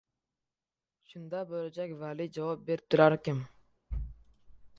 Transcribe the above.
Shunda bo‘lajak valiy javob beribdilarkim: